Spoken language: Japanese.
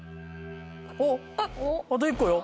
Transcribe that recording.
あっあと１個よ。